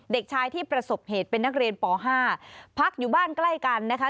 เด็กชายที่ประสบเหตุเป็นนักเรียนป๕พักอยู่บ้านใกล้กันนะคะ